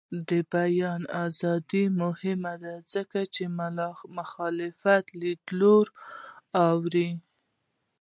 د بیان ازادي مهمه ده ځکه چې مختلف لیدلوري اوري.